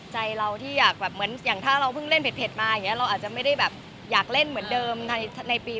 ใจเราที่อยากแบบเหมือนอย่างถ้าเราเพิ่งเล่นเผ็ดมาอย่างนี้เราอาจจะไม่ได้แบบอยากเล่นเหมือนเดิมในปี